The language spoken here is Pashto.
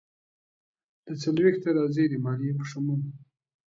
دا څلویښت ته راځي، د مالیې په شمول.